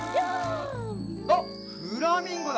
あっフラミンゴだ！